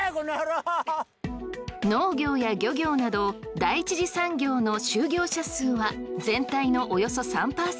農業や漁業など第一次産業の就業者数は全体のおよそ３％。